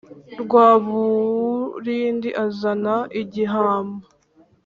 Rwaburindi azana igihama,